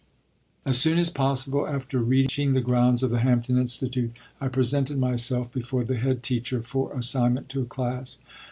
As soon as possible after reaching the grounds of the Hampton Institute, I presented myself before the head teacher for assignment to a class.